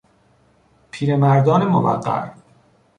پیرمردان موقر